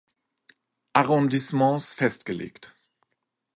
Arrondissements festgelegt.